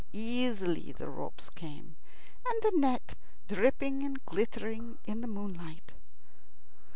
Easily the ropes came, and the net, dripping and glittering in the moonlight.